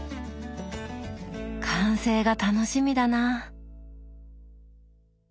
完成が楽しみだな。